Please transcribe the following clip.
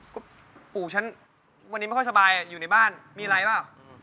ก็ปู่ฉันวันนี้ไม่ค่อยสบายอยู่ในบ้านมีอะไรเปล่า